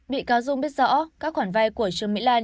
bị cáo dung biết rõ các khoản vay của trương mỹ lan